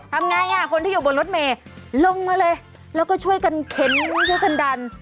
ทำไงอ่ะคนที่อยู่บนรถเมย์ลงมาเลยแล้วก็ช่วยกันเข็นช่วยกันดัน